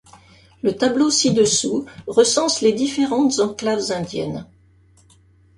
Le tableau ci-dessous recense les différentes enclaves indiennes.